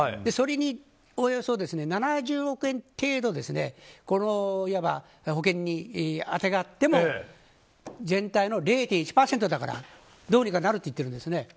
それに、おおよそ７０億円程度この保険にあてがっても全体の０．１％だからどうにかなると言っているんですね。